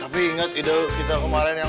tapi inget ide kita kemarin yang